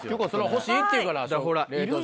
「欲しい」って言うから。